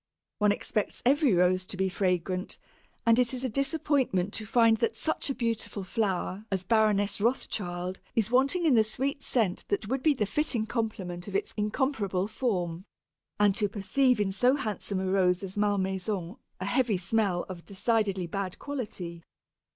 One expects every Rose to be fragrant, and it is a disappointment to find that such a beautiful flower as Baroness Rothschild is wanting in the sweet scent that would be the fitting complement of its incomparable form, and to perceive in so handsome a Rose as Malmaison a heavy smell of decidedly bad quality.